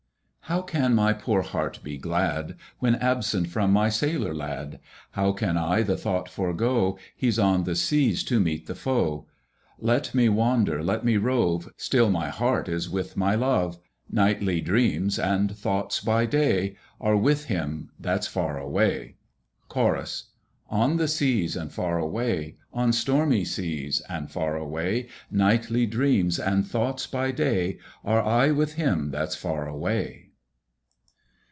How can my poor heart be glad, When absent from my sailor lad; How can I the thought forego He's on the seas to meet the foe? Let me wander, let me rove, Still my heart is with my love; Nightly dreams, and thoughts by day, Are with him that's far away. Chorus. On the seas and far away, On stormy seas and far away; Nightly dreams and thoughts by day, Are aye with him that's far away.